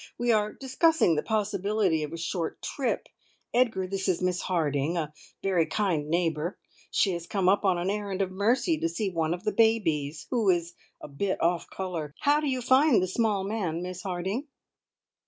We are discussing the possibility of a short trip. Edgar, this is Miss Harding, a very kind neighbour. She has come up on an errand of mercy to see one of the babies, who is a bit off colour. How do you find the small man, Miss Harding?"